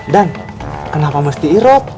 dan kenapa mesti irot